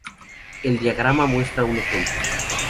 El diagrama muestra un ejemplo.